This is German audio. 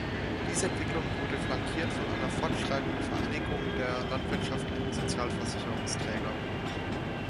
Diese Entwicklung wurde flankiert von einer fortschreitenden Vereinigung der landwirtschaftlichen Sozialversicherungsträger.